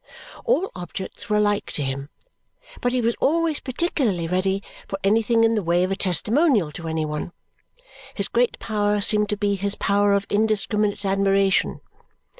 All objects were alike to him, but he was always particularly ready for anything in the way of a testimonial to any one. His great power seemed to be his power of indiscriminate admiration.